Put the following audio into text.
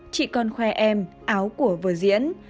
chị còn khoe em áo của vừa diễn